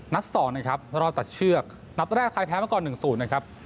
นัดสองนะครับรอบตัดเชือกนัดแรกใครแพ้มาก่อนหนึ่งศูนย์นะครับ